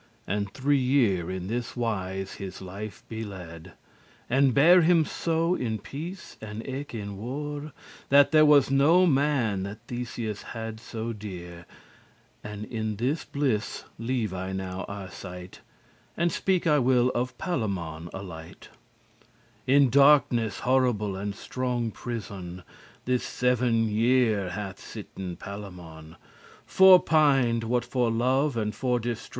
And three year in this wise his life be lad*, *led And bare him so in peace and eke in werre*, *war There was no man that Theseus had so derre*. *dear And in this blisse leave I now Arcite, And speak I will of Palamon a lite*. *little In darkness horrible, and strong prison, This seven year hath sitten Palamon, Forpined*, what for love, and for distress.